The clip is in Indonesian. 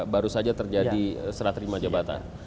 baru saja terjadi serah terima jabatan